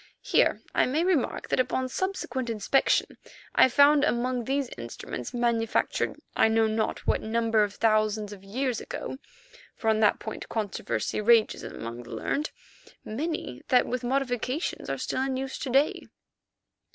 Here I may remark, that upon subsequent inspection I found among these instruments, manufactured I know not what number of thousands of years ago—for on that point controversy rages among the learned—many that with modifications are still in use to day.